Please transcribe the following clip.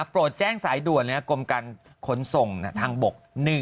โปรดแจ้งสายด่วนกรมการขนส่งทางบก